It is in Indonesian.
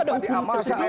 ada hukum tersendiri